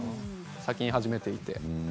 先に始めていて。